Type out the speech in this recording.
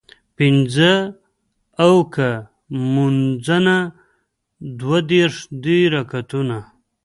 پينځۀ اوکه مونځونه دوه دېرش دي رکعتونه